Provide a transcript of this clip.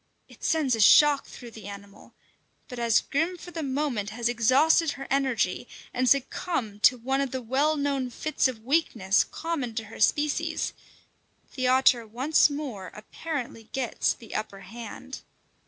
It sends a shock through the animal, but as Grim for the moment has exhausted her energy and succumbed to one of the well known fits of weakness common to her species, the otter once more apparently gets the upper hand.